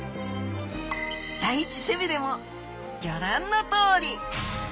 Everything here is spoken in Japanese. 第１背びれもギョらんのとおり。